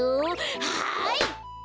はい！